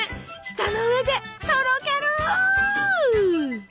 舌の上でとろける！